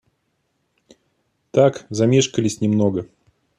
Так, замешкались немного.